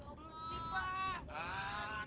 gak boleh pak